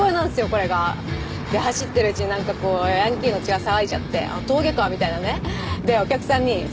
これがで走ってるうちになんかこうヤンキーの血が騒いじゃってあっ峠かみたいなねでお客さんにすいません